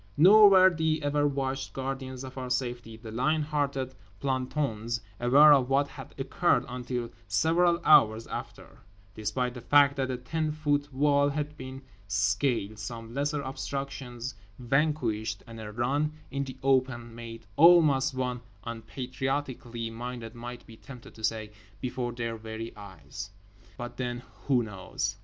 Nor were the ever watchful guardians of our safety, the lion hearted plantons, aware of what had occurred until several hours after; despite the fact that a ten foot wall had been scaled, some lesser obstructions vanquished, and a run in the open made almost (one unpatriotically minded might be tempted to say) before their very eyes. But then—who knows?